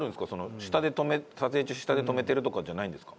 撮影中下で止めてるとかじゃないんですか？